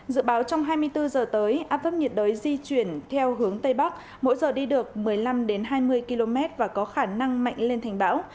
dự báo trong hai mươi bốn giờ tới áp thấp nhiệt đới di chuyển theo hướng tây bắc mỗi giờ đi được một mươi năm hai mươi km và có khả năng mạnh lên thành bão